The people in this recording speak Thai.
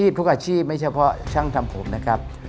ทุกอาชีพไม่เฉพาะช่างทำผมนะครับ